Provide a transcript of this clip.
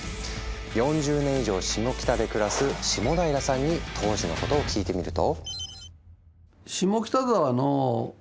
４０年以上シモキタで暮らす下平さんに当時のことを聞いてみると。